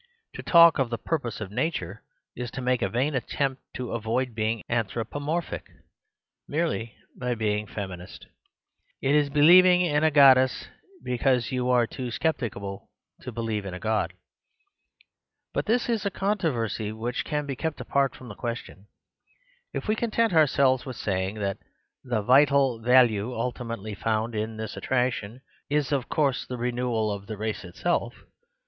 To talk of the purpose of Nature is to make a vain attempt to avoid being anthropomorphic, merely by being feminist. It is believing in a goddess because you arc too sceptical to be 64 The Superstition of Divorce lieve in a god. But this is a controversy which can be kept apart from the question, if we content ourselves with saying that the vital value ultimately found in this attraction is, of course, the renewal of the race itself.